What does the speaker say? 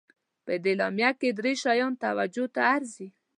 په دې اعلامیه کې درې شیان توجه ته ارزي.